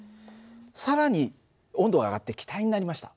更に温度が上がって気体になりました。